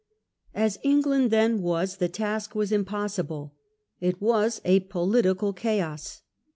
As England then was, the task was impossible. It was a political chaos.